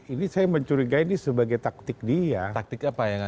ini saya mencurigai ini sebagai taktik dia taktik apa ya